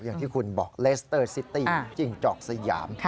อย่างที่คุณบอกเลสเตอร์ซิตี้จิ้งจอกสยาม